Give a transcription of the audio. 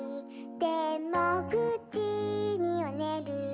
「でも９じにはねる」